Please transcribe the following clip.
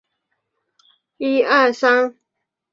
凝毛杜鹃为杜鹃花科杜鹃属下的一个变种。